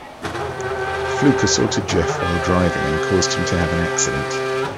Fluke assaulted Jeff while driving and caused him to have an accident.